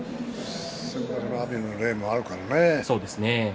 先場所の阿炎の例もあるからね。